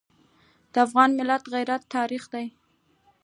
د افغان ملت غیرت تاریخي دی.